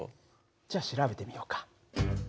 じゃ調べてみようか。